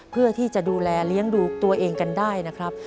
เพื่อที่จะดูแลเลี้ยงดูตัวเองกันได้นะครับ